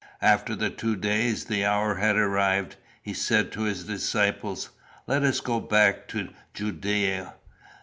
"After the two days, the hour had arrived. He said to his disciples, 'Let us go back to Judæa.